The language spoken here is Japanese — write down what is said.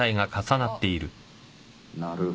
なるほど。